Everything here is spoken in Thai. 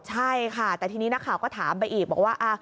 ใช่ค่ะแต่ทีนี้นักข่าวก็ถามไปอีกบอกว่า